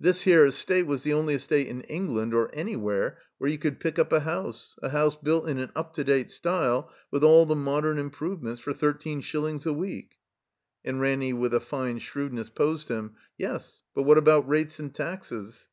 This here Estate was the only estate in England — or anywhere — ^where you could pick up a house, a house built in an up to date style with all the modem improvements, for thirteen shillings a week. And Ranny with a fine shrewdness posed him. "Yes, but what about rates and taxes?"